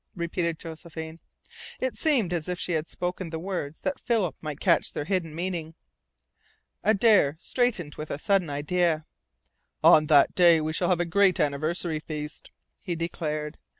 repeated Josephine. It seemed as if she had spoken the words that Philip might catch their hidden meaning. Adare straightened with a sudden idea: "On that day we shall have a great anniversary feast," he declared.